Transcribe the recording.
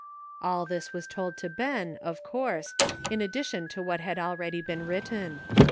All this was told to Ben, of course, in addition to what had already been written.